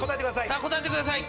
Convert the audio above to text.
答えてください。